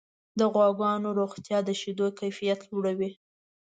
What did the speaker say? د غواګانو روغتیا د شیدو کیفیت لوړوي.